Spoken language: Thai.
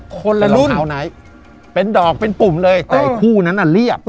คนละรุ่นเป็นลองเท้านายเป็นดอกเป็นปุ่มเลยแต่คู่นั้นน่ะเรียบ